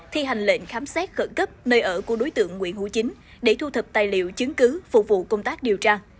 thi hành lệnh khám xét khẩn cấp nơi ở của đối tượng nguyễn hữu chính để thu thập tài liệu chứng cứ phục vụ công tác điều tra